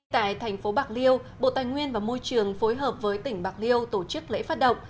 tại thành phố bạc liêu bộ tài nguyên và môi trường phối hợp với tỉnh bạc liêu tổ chức lễ phát động